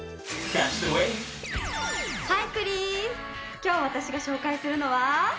今日私が紹介するのは。